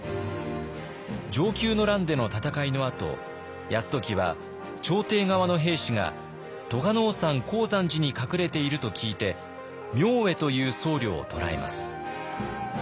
承久の乱での戦いのあと泰時は朝廷側の兵士が栂尾山高山寺に隠れていると聞いて明恵という僧侶を捕らえます。